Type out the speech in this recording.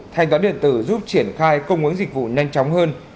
thanh toán điện tử giúp triển khai cung ứng dịch vụ nhanh chóng hơn